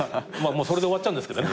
それで終わっちゃうんですけど。